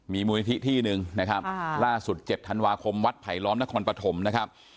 มีมูลนิธิที่หนึ่งนะครับล่าสุด๗ธันวาคมวัดไผลล้อมนครปฐมนะครับ